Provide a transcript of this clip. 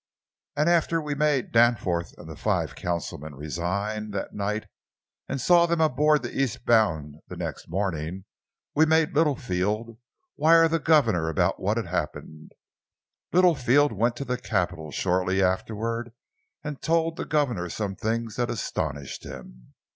And after we made Danforth and the five councilmen resign that night, and saw them aboard the east bound the next morning, we made Littlefield wire the governor about what had happened. Littlefield went to the capital shortly afterward and told the governor some things that astonished him.